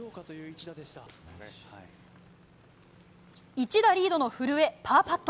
１打リードの古江、パーパット。